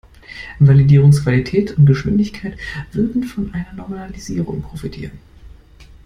Validierungsqualität und -geschwindigkeit würden von einer Normalisierung profitieren.